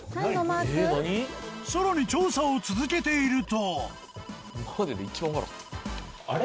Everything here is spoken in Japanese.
さらに調査を続けているとあれ？